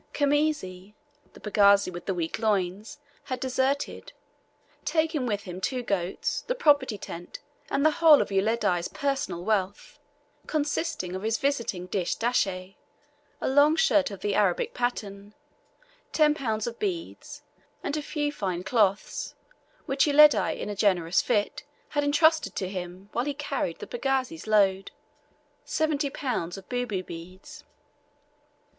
Khamisi the pagazi with the weak loins had deserted, taking with him two goats, the property tent, and the whole of Uledi's personal wealth, consisting of his visiting dish dasheh a long shirt of the Arabic pattern, 10 lbs. of beads, and a few fine cloths, which Uledi, in a generous fit, had intrusted to him, while he carried the pagazi's load, 70 lbs. of Bubu beads.